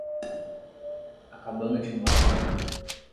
A cabana tinha um ar sombrio.